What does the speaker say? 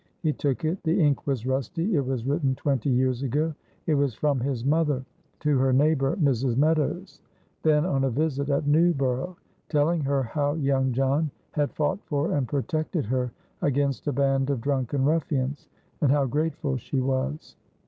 He took it, the ink was rusty, it was written twenty years ago; it was from his mother to her neighbor, Mrs. Meadows, then on a visit at Newborough, telling her how young John had fought for and protected her against a band of drunken ruffians, and how grateful she was.